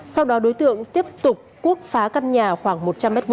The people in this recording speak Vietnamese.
sau đó đối tượng tiếp tục cuốc phá căn nhà khoảng một trăm linh m hai